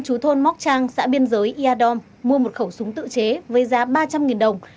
chú thôn móc trang xã biên giới ia dom mua một khẩu súng tự chế với giá ba trăm linh đồng